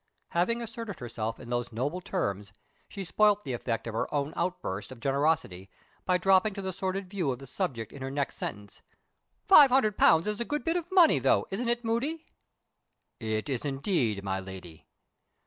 Having asserted herself in those noble terms, she spoilt the effect of her own outburst of generosity by dropping to the sordid view of the subject in her next sentence. "Five hundred pounds is a good bit of money, though; isn't it, Moody?" "It is, indeed, my Lady."